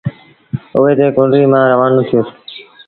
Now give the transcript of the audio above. اُئي تي ڪنريٚ مآݩ روآنو ٿيو س۔